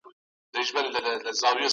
ايا اوږد مهاله بدلون پرمختيا ګڼل کېږي؟